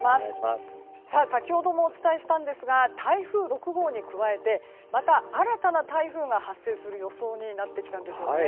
先ほどもお伝えしたんですが台風６号に加えてまた新たな台風が発生する予想が出てきました。